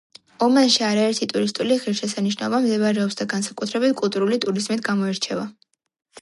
ომანში არაერთი ტურისტული ღირსშესანიშნაობა მდებარეობს და განსაკუთრებით კულტურული ტურიზმით გამოირჩევა.